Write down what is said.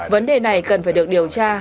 vấn đề này cần phải được điều tra